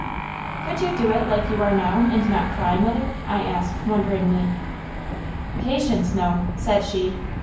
"Could you do it, like you are now, and not cry, mother?" I asked wonderingly. "Patience no!" said she.